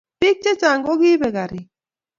Pik che chang kokipek karik